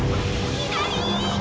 左！